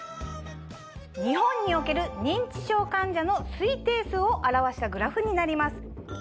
日本における認知症患者の推定数を表したグラフになります。